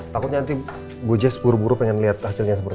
takutnya nanti bu jess buru buru pengen liat hasilnya seperti apa